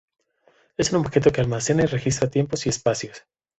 Es un objeto que almacena y registra tiempos y espacios.